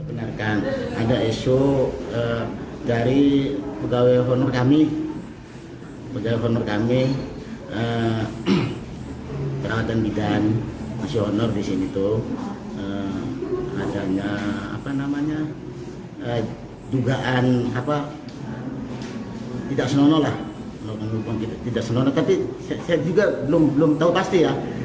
pada saat ini ada dugaan tidak senonoh tapi saya juga belum tahu pasti